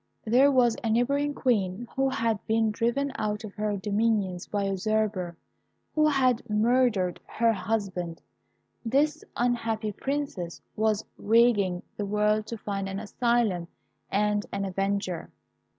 There was a neighbouring Queen who had been driven out of her dominions by a usurper, who had murdered her husband. This unhappy Princess was ranging the world to find an asylum and an avenger.